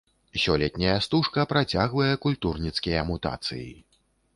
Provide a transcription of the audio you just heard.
Сёлетняя стужка працягвае культурніцкія мутацыі.